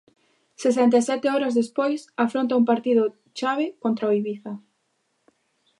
Sesenta e sete horas despois, afronta un partido chave contra o Ibiza.